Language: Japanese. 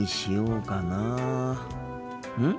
うん？